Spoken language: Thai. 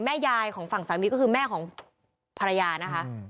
แม่ยายของฝั่งสามีก็คือแม่ของภรรยานะคะ